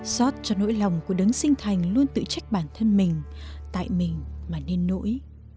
xót cho nỗi lòng của đấng sinh thành luôn tự trách bản thân mình tại mình mà nên nỗi